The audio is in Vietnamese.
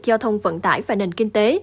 giao thông vận tải và nền kinh tế